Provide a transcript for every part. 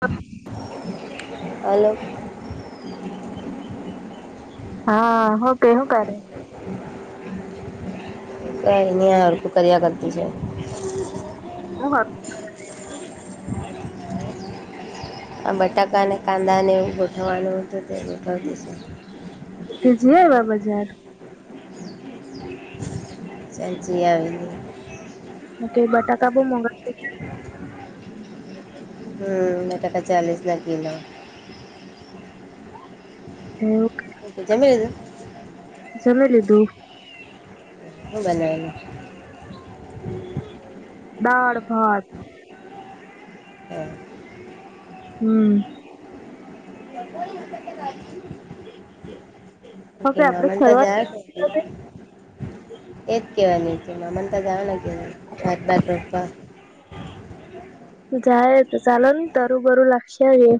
હા હલો હા! કે હું કરે [unintelligible] કઈ નહી હળખું કર્યા કરતી છે. હ વાર [inaudible] [inaudible] આ બટાકા અને કાંદાને એવું ગોઠવવાનું હતું તે ગોઠવી દશું [unintelligible] જી આવ્યા બજાર સાચી આવે આવી ઓ બટાકા બ મોંગા હમ મેં તકા ચાલીસ ના કી ના હ [inaudible] જમે છે જમી લીધું. હ બનાવે દાળ, ભાત હ હમ [unintelligible] ઓકે હવે આપડે મામંત ફરવા જા એજ કેવાની છે મા મન તો જાાવ ને કે ભાત ભાત રોપવા જાય તો ચાલ ને તુબુ લક્ષ્યા એ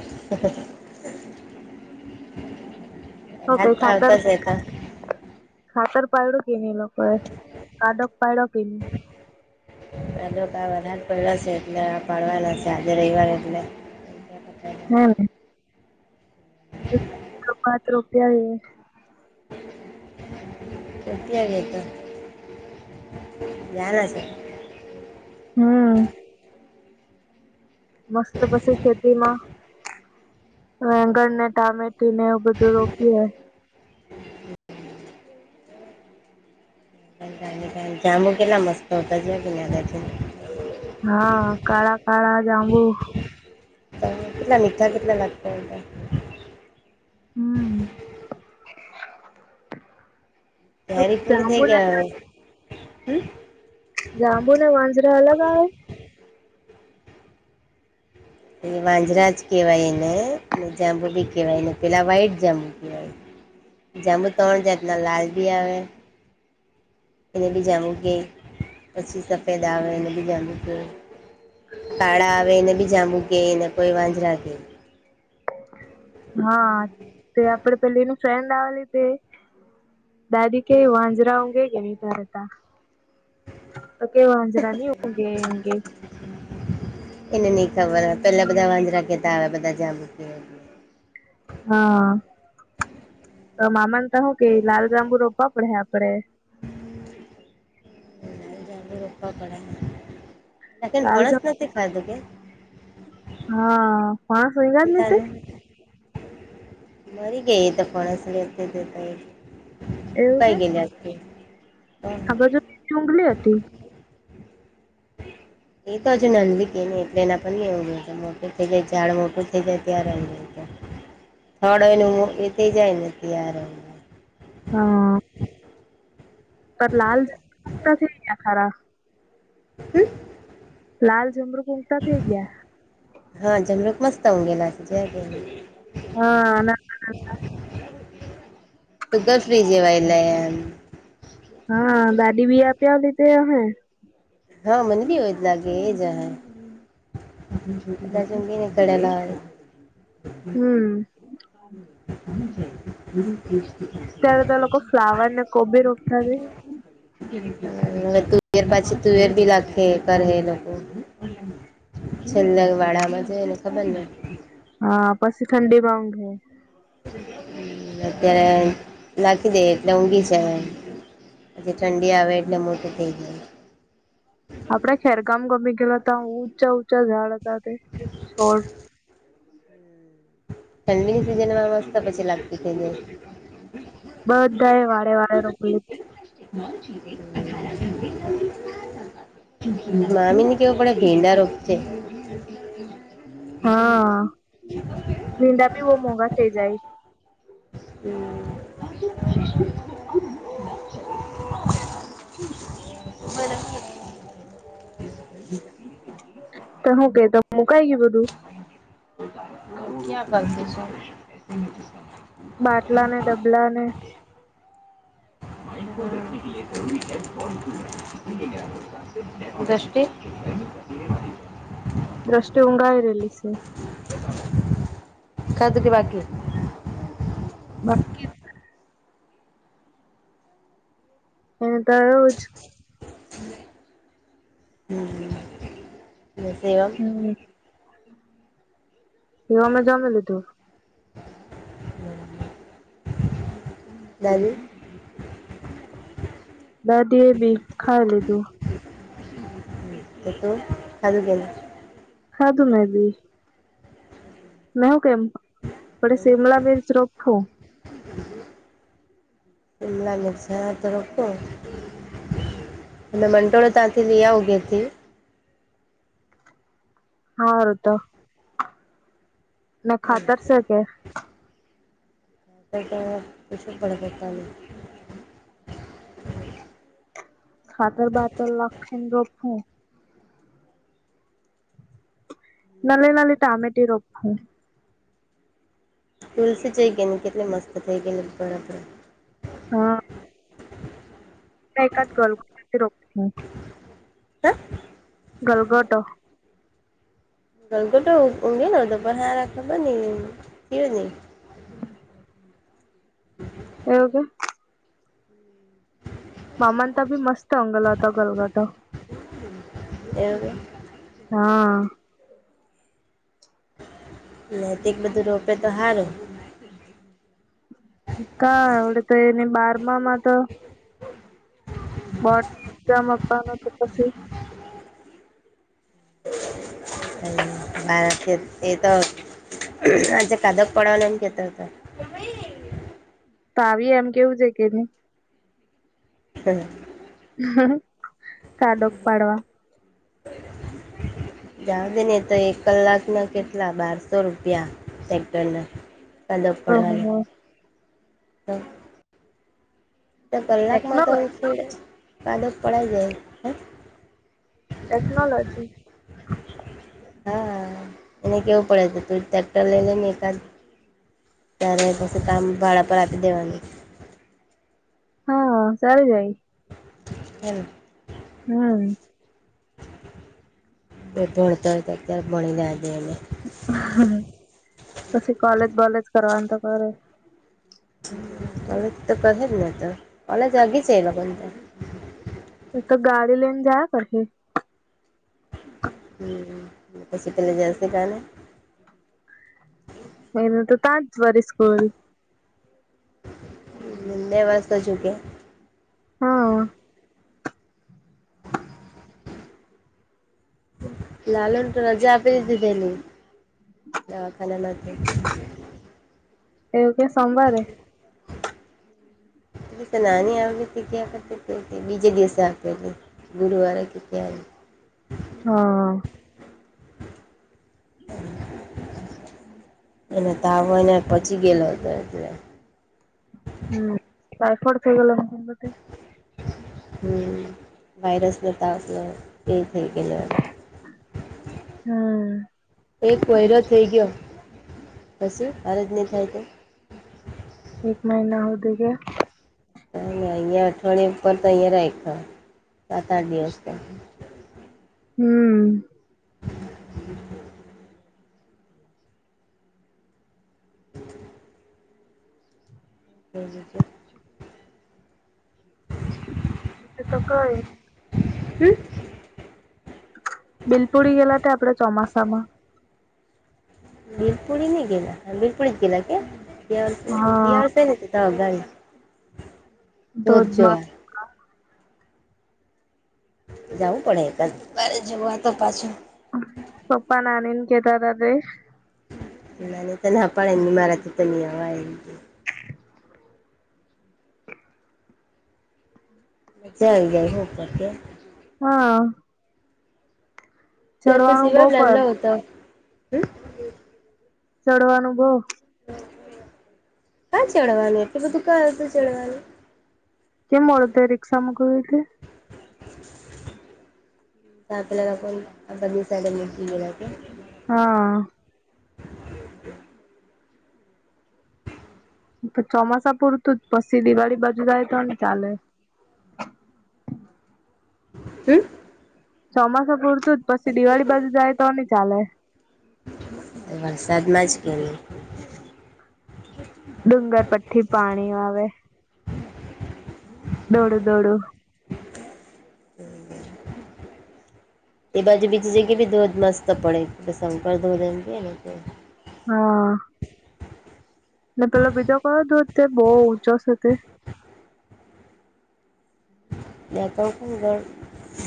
હ ઓકે વરહાદ ખાતર આવતા છે તો ખાતર પાયડો કે નહી લોકોએ કાડક પાયડો કે નહી? વધારે પડ્યા છે એટલે પાડવાલા છે આજે રવિવાર એટલે હમ એક પાત રોપિયા એ પતી આઈગો તો ન્યાલા છે. હમ મસ્ત પછી ખેતીમાંંગણને ટામેટી ને બધું રોપીએ [unintelligible] જામુ કેલા મસ્ત તજ ગિજના છે હા કાળા કાળા જાબું તો કેટલા મીઠા કેટલા લાગતો એ હમ. તારી પૂરી થઈ જાંબુ ને ગયા હવે? જાંબુ ને વાંજરા અલગ આવે? એ વાંજરા જ કહેવાય ને જાંબુ બી કહેવાય ને પેલા વ્ાઈટ જાંબુ કહેવાય જમુ ત્રણ જાતના લાલ બી આવે, એને બી જાંમુ કે પછી સ પેદાવ એ બી જામુ કે. કાળા આવે એને બીજા મૂ કેને કોઈ વાંજરા કેે [unintelligible] હા તે આપડે પેલી એની ફ્રેન્ડ આવેલી તે દાદી કે વાંજરા ંગે કે ન ધરતા અ કેવા અંજરાની હ હે એને નહીં ખબર પેલા બધા વાજરા [inaudible] કતા બધા જ હા. તો મામાને તો હું કે લાલ જાંબુ રોપવા પડે આપડે. રોપવા પડેને. લેકિન લાલ જાંબુ ફણસનો શુ ફાયદો કે? હા. માણસ ઊંઘ્યા જ ની તે મરી ગઈ તો પણસની એવું કે આ બાજુ ઉગલી હતી. એ તો હજુ નંદી કે ને એટલે એના પણ કેવું જો મોટું થઈ જાય ઝાડ મોટું થઈ જાય ત્યારે થડ એ હું એ થઈ જાયને યાર હા. પર લાલ દેખતા થયા ખરા હમ. લાલ જમરુખ ઊગતા થઈ ગયા. હા જમરૂખ મસ્ત ઉગેલા જ હા ના સુગર ફ્રી જેવા એટલે એમ હા દાદી બી આપ્યા લીધે આહે. હા, મને ભી એવુંજ લાગે એ જ આહે જ [inaudible] બી કડલા આહે હમ્મ. હમ. [inaudible] ત્યારે તો લોકો ફ્લાવર ને કોબી રોપતા છે તુવેર પાછી તુવેર બી લખે કરે એ લોકો સુંદરવાડા માં જોઈને ખબર ને હા પછી ઠંડી વધે. અત્યારે નાખી દે એટલે ઊંઘી છે. પછી ઠંડી આવે એટલે મોટી થઈ જાય. આપડે ખરેખર ગમી ગયેલા હતા ઊંચા ઊંચા ઝાડ હતા તે છોડ ઠંડીની સિઝનમાં મસ્ત પછી લાગતી થઈએ. બધા એ વારે વારે રોકી લીધ મામીની તે આપડે ગેંડા રોપતે. હા, ભીંડા ભી બહુ મોંઘા થઇ જાય. તો હું કેતો હું કઈ ગયું બધું. [inaudible] ક્યાં કાલ જાશું? [inaudible] બાટલા ને ડબલા ને [inaudible] દ્રષિ. દ્રષ્ટે ઊંઘાએ રહેલી સે. ખાધું કે બાકી હે? બાકી. એ દરોજ હમ્મ ને સેવન. હમ્મ, તેઓ મેં જામી લીધું. [inaudible] દાદી એ બી ખાઈ લીધું. તે તો ચાલુ [inaudible] ખાદુ મેં ભી- મેં કેમ થોડી શિમલા મિર્ચી રખો શિમલા મિર્ચ હૈ તો રખો. અને વટોળ ત્યાંથી લયા ઉગે હતી હારું તો ને ખાતર છે કે તો કે કછું બેતાની. ખાતર બાદર લખીન રોખું મલેનાલી ટમેટ રોફું તુલસી જઈ ગઈ ને કેટલી મસ્ત થઈ ગઈ ને બરાબર. હા. એક જ ગલ રો નથી રોકું. હ? ગલગોટો ગલગોટો ઊંઘીયો નહીં પર હૈ ખબર નહીં ગીયો નહીં. એવું ક તી ભી મસ્ત હોંગલ હતો ગલગોટો. એવું હે. હા. નૈતિક બધું રોપે તો હારું. કા એવડે તો એને બારમામાં તો મોટે માવાનો તો પછી. હા એ તો આજે કાદક પનાનામ કેેતા હતા. તો આવી એમ કેવું છે કે નહી હા [unintelligible] કાડોગ પાડવા જાવ દે ને તો એક કલાકના કેટલા બારસો રૂપિયા સેકટરના કદબ પડવાની ઓહો તો [unintelligible] તો કલાકમાં તો ટેકનોલો થોડ કદ પડાઈ જાય હ ટેકનોલોજી હા એને કેવું પડે તું ચેક કર લેજે એકાદ ત્યારે પછી કામ ભાડા પર આપી દેવાનું હા સારી જાય એમ [inaudible] હમ એ ભણતર અત્યારે ભણી લ્યાજે અને પછી કોલેજ બોલેજ કરવાનું તો કરે કોલેજ તો કહે જ ને તો કોલેજ આગી જ એ લોકો પણ તો એ તો ગાડી લઈને જાય ત પછી જેન્સ કારણે. એને તો તાજ વરી સ્કૂલ. [unintelligible] હા લાલુ તો રજા આપી દીધી પેલી દવાખાના નથી એવું કે સોમવારે એ તો નાની આવે હતી ક્યાં કરતી બીજે દિવસે આપેલી ગુરુવારે કે ક્યાં [inaudible] હા અને તાવને પચી ગયેલો હતો એટલે હમ ટાઈફોઈડ થઈ ગલો મ કેમતે વાયરસ ને તાવ એ થઈ ગયેલો હતો એક વયરો થઈ ગયો કશું આ ર જ નહીં થાય તો એક મહિના હોદી. તય અઠવાયા ઉપર તો અહીંયા રાયખા સાત આઠ દિવસ ત. હમ. [inaudible] થ જે છે [inaudible] તો કઈ [inaudible] હમ [unintelligible] બિલપુડી ગેલા તે આપડે ચોમાસામાં. બિલપુડી ની ગેલા બિલપુડી જ ગેલા કે તે દિવસે. ત હા ગ તો જ ધોધમાં જોવા [unintelligible] જવું પડે કયારે જવું તો પાછું. પપ્પા નાની ને જેતા તે. ના તને હા પણળની મારાથી તની વા એ [inaudible] ચાલ ગઈ શ કરકે [unintelligible] હા. તે પછી ચડવાનું બઉ સિવા પર લાલ્યો હતો હ. ચડવાનું બઉ. કા ચડવાનું એટલું બધું કંઇ હતું ચડવાનું. તે મોડુ રીક્ષામાં ગયા એટલે. તાપ લાગે બધી સાડી [unintelligible] હા. ચોમાસા પૂરતું જ પછી દિવાળી બાજુ જાય તો ની ચાલે. હમ. ચોમાસું પૂરતું જ પછી દિવાળી બાજુ જાય તો ની ચાલે. વરસાદમાં જ ગળે. ડુંગર પરથી પાણી આવે, ડોળું ડોળું. તે બાજુ બીજી જગ્યા ભી ધોધ મસ્ત પડે, શંકર ધોધ એમ કેય ને તે. હા. ને પેલો બીજો કયો ધોધ તે બહુ ઊંચો છે તે.? બેક ખ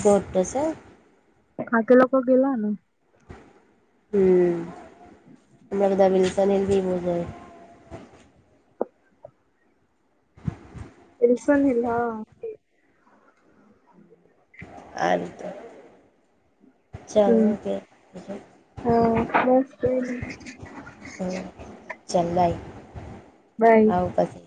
બર ગટશે [unintelligible] કાકી લોકો ગેલા ને.? હમ અમેં બધા વિલસન હિલ ભી જાયે. વિલ્સન હિલ હા. આ તો. હમ ચાલો બેજ [unintelligible] હા બસ ખુશ. હમ ચાલ બાય. બાઈ આવું પછી